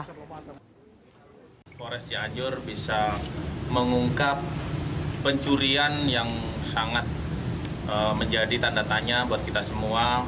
polres cianjur bisa mengungkap pencurian yang sangat menjadi tanda tanya buat kita semua